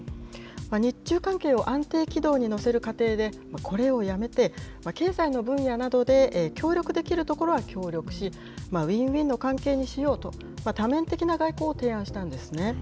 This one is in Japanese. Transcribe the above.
日中関係を安定軌道に乗せる過程で、これをやめて、経済の分野などで協力できるところは協力し、ウィンウィンの関係にしようと、多面的な外交を提案したんですね。